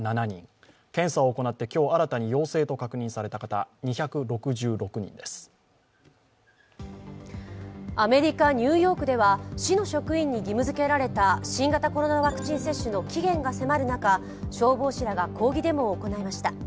アメリカ・ニューヨークでは市の職員に義務づけられた新型コロナワクチン接種の期限が迫る中、消防士らが抗議デモを行いました。